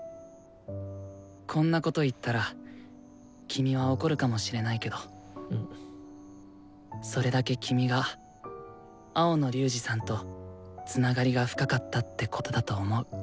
こんなこと言ったら君は怒るかもしれないけどそれだけ君が青野龍仁さんとつながりが深かったってことだと思う。